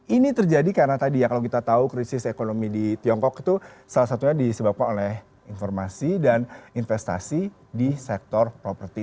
ini terjadi karena tadi ya kalau kita tahu krisis ekonomi di tiongkok itu salah satunya disebabkan oleh informasi dan investasi di sektor properti